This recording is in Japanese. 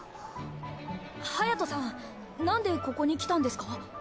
ハヤトさんなんでここに来たんですか？